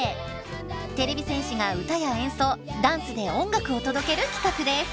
てれび戦士が歌や演奏ダンスで音楽を届ける企画です。